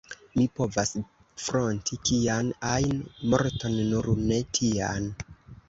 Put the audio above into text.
Mi povas fronti kian ajn morton, nur ne tian.